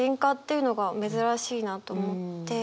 いうのが珍しいなと思って。